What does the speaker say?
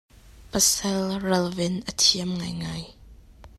Pasal ralven a thiam ngaingai.